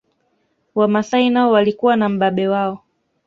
Wamasai nao walikuwa na mbabe wao